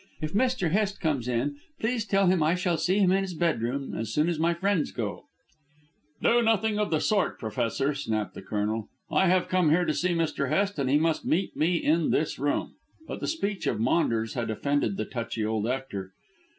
If Mr. Hest comes in, please tell him I shall see him in his bedroom as soon as my friends go." "Do nothing of the sort, Professor," snapped the Colonel. "I have come here to see Mr. Hest, and he must meet me in this room." But the speech of Maunders had offended the touchy old actor.